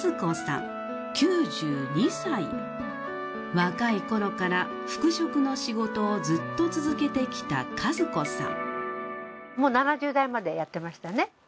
若い頃から服飾の仕事をずっと続けてきた和子さん。